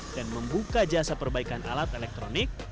dan membuka jasa perbaikan alat elektronik